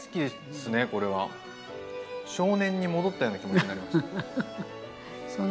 少年に戻ったような気持ちになりました。